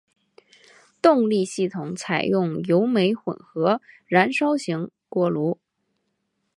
动力系统采用油煤混合燃烧型锅炉。